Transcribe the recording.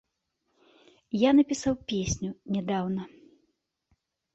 Я напісаў песню нядаўна.